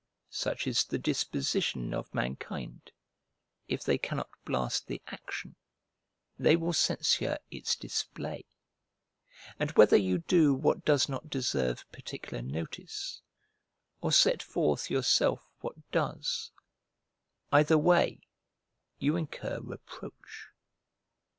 Such is the disposition of mankind, if they cannot blast the action, they will censure its display; and whether you do what does not deserve particular notice, or set forth yourself what does, either way you incur reproach.